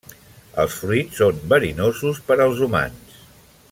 Els fruits són verinosos per als humans.